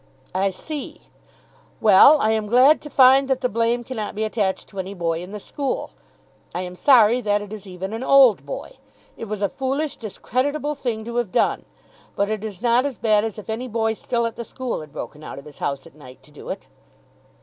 "I see. Well, I am glad to find that the blame cannot be attached to any boy in the school. I am sorry that it is even an Old Boy. It was a foolish, discreditable thing to have done, but it is not as bad as if any boy still at the school had broken out of his house at night to do it."